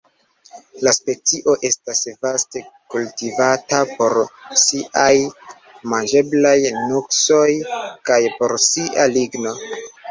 La specio estas vaste kultivata por siaj manĝeblaj nuksoj kaj por sia ligno.